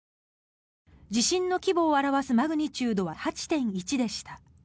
地震の規模を表すマグニチュードは８．１でした。